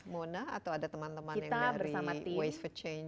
mona atau ada teman teman yang dari waste for change